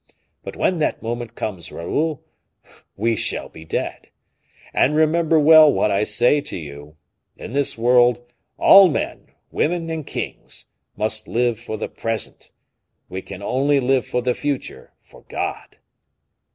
But when that moment comes, Raoul, we shall be dead. And remember well what I say to you. In this world, all, men, women, and kings, must live for the present. We can only live for the future for God."